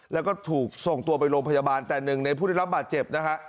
แล้วก็ถูกส่งตัวไปโรงพยาบาลแต่หนึ่งในผู้ได้รับบาดเจ็บนะฮะ